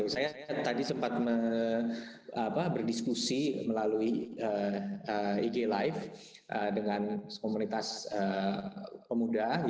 saya tadi sempat berdiskusi melalui ig live dengan komunitas pemuda